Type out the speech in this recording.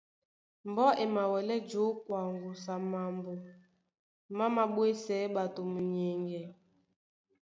Mbɔ́ e mawɛlɛ́ jǒkwa ŋgusu á mambo má māɓwésɛɛ́ ɓato munyɛŋgɛ.